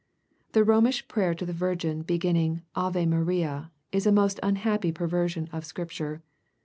The Bomish prayer, to the Virgin, beginning " Ave Maria," is a most unhappy perversion of Scripture.